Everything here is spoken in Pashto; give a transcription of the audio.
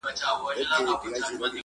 دواړي سترګي یې د سرو وینو پیالې وې؛